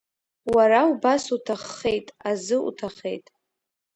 Уара убас уҭаххеит азы уҭахеит.